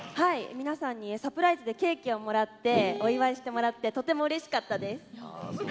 皆さんにサプライズでケーキをもらってお祝いしてもらってとてもうれしかったです。